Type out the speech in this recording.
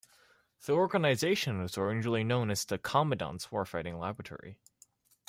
The organization was originally known as the Commandant's Warfighting Laboratory.